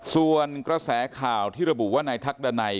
ส่วนกระแสข่าวที่ระบุว่านายทักดันัย